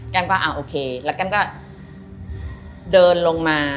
แก้มก็เอาโอเคแล้วแก้มก็เดินลงมา